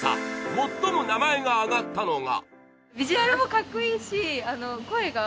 最も名前が挙がったのが。